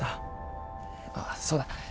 ああそうだ。